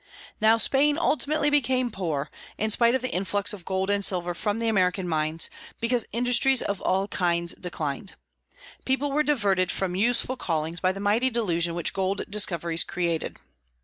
Now Spain ultimately became poor, in spite of the influx of gold and silver from the American mines, because industries of all kinds declined. People were diverted from useful callings by the mighty delusion which gold discoveries created.